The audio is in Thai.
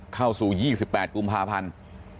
เข้าสู่๒๘กุมภาพันธ์